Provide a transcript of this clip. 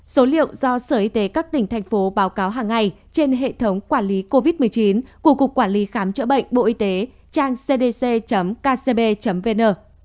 số liệu do sở y tế các tỉnh thành phố báo cáo hàng ngày trên hệ thống quản lý covid một mươi chín của cục quản lý khám chữa bệnh bộ y tế trang cdc kcb vn